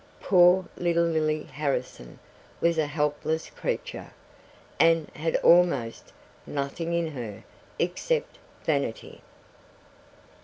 Poor little Lily Harrison was a helpless creature, and had almost 'nothing in her' except vanity.